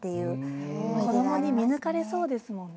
こどもに見抜かれそうですもんね。